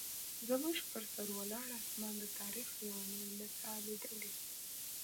زموږ پر سر ولاړ اسمان د تاریخ لیونۍ نڅا لیدلې.